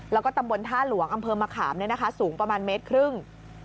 แล้วก็ตำบลท่าหลวงอำเภอมะขามสูงประมาณเมตรครึ่ง